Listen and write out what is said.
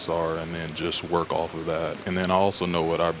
saya memahami kelemahan dan kekuatan orang lain